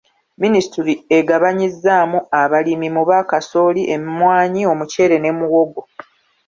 Minisitule egabanyizzaamu abalimi mu ba kasooli, emmwanyi, omuceere ne muwogo.